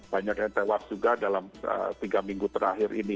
banyak yang tewas juga dalam tiga minggu terakhir ini